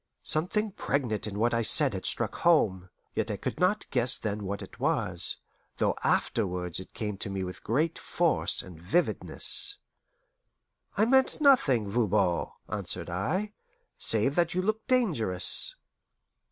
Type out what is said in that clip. Something pregnant in what I said had struck home, yet I could not guess then what it was, though afterwards it came to me with great force and vividness. "I meant nothing, Voban," answered I, "save that you look dangerous."